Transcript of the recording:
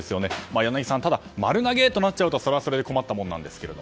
柳澤さん、ただ丸投げとなるとそれは困ったものですが。